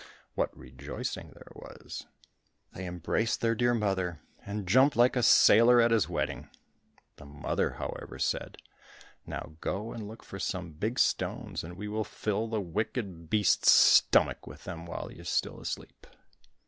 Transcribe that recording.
What rejoicing there was! They embraced their dear mother, and jumped like a sailor at his wedding. The mother, however, said, "Now go and look for some big stones, and we will fill the wicked beast's stomach with them while he is still asleep."